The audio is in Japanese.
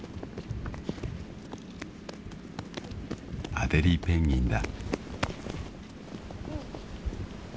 ［アデリーペンギンだ］